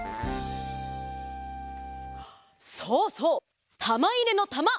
そうそう！たまいれのたま！